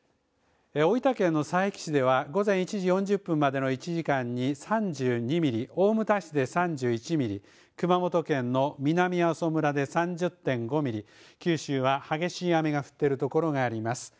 大分県の佐伯市では午前１時４０分までの１時間に３２ミリ、大牟田市で３１ミリ、熊本県の南阿蘇村で３０．５ミリ、九州は激しい雨が降ってる所があります。